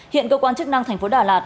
hiện cơ quan chức năng thành phố đà lạt